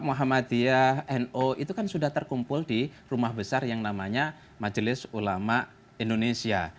muhammadiyah no itu kan sudah terkumpul di rumah besar yang namanya majelis ulama indonesia